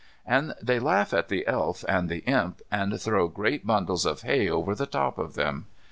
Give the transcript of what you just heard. And they laugh at the Elf and the Imp, and throw great bundles of hay over the top of them.